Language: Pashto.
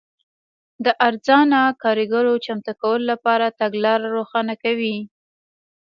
د ارزانه کارګرو چمتو کولو لپاره تګلاره روښانه کوي.